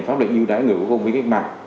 pháp lệnh ưu đãi người có công với cách mạng